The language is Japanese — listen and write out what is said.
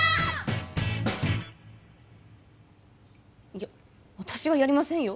いや私はやりませんよ